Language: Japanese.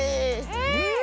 うん！